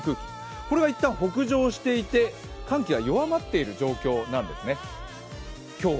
これが一旦、北上していて寒気が弱まっているような状況なんです今日は。